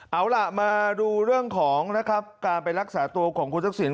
เอาล่ะมาดูเรื่องของนะครับการไปรักษาตัวของคุณทักษิณ